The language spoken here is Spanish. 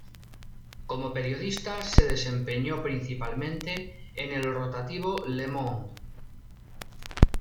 Como periodista se desempeñó principalmente en el rotativo "Le Monde".